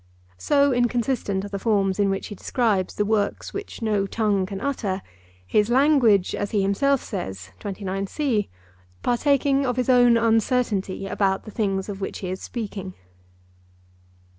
So inconsistent are the forms in which he describes the works which no tongue can utter—his language, as he himself says, partaking of his own uncertainty about the things of which he is speaking.